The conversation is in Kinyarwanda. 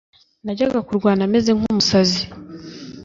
najyaga kurwana meze nk umusazi